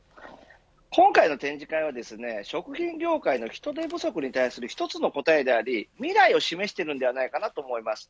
今回の展示会は食品業界の人手不足に対する１つの答えであり未来を示していると思います。